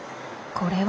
これは？